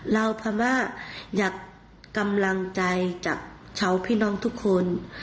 คำว่าอยากกำลังใจจากชาวพี่น้องทุกคน